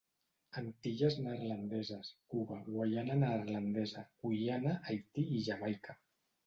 Antilles Neerlandeses, Cuba, Guaiana Neerlandesa, Guyana, Haití i Jamaica.